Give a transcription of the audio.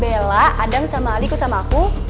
bella adam sama ali ikut sama aku